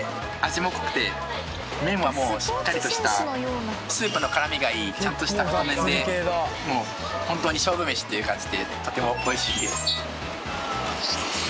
麺はしっかりとしたスープの絡みがいいちゃんとした太麺で本当に勝負めしという感じでとてもおいしいです。